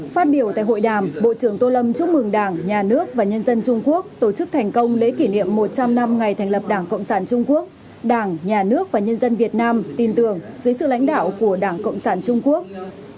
phát biểu tại hội đàm bộ trưởng tô lâm chúc mừng đảng nhà nước và nhân dân trung quốc tổ chức thành công lễ kỷ niệm một trăm linh năm ngày thành lập đảng cộng sản trung quốc đảng nhà nước và nhân dân việt nam tin tưởng dưới sự lãnh đạo của đảng cộng sản trung quốc